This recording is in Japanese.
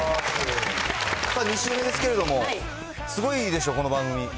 さあ、２週目ですけれども、すごいでしょ、この番組。